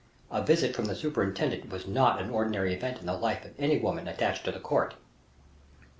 A visit from the superintendent was not an ordinary event in the life of any woman attached to the court.